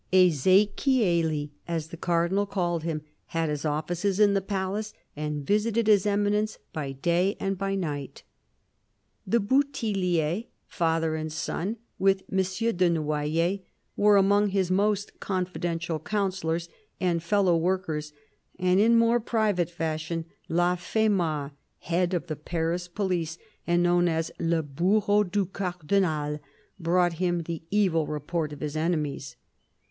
" Ezechieli," as the Cardinal called him, had his offices in the palace, and visited His Eminence by day and by night. The Bouthilliers, father and son, with M. de Noyers, were among his most confidential counsellors and fellow workers ; and in more private fashion Laffemas, head of the Paris police and known as " le bourreau du Cardinal," brought him the evil report of his enemies.